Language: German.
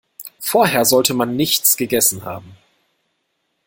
Vorher sollte man nichts gegessen haben.